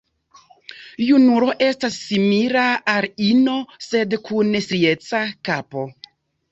Junulo estas simila al ino, sed kun strieca kapo.